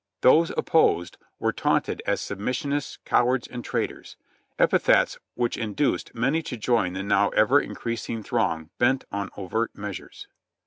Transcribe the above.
Those opposed were taunted as "submissionists, cowards and traitors" — epithets which induced many to join the now ever increasing throng bent on overt measures.